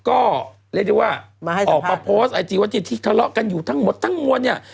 ออกมาโพสต์ไอที่ทะเลาะกันทั้งหมททั้งนะ